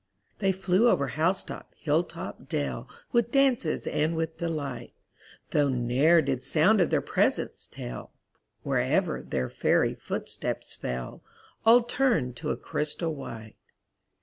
They flew over housetop, hilltop, dell, With dances and with delight. Though ne'er did sound of their presence tell; Wherever their fairy footsteps fell, All turned to a crystal white.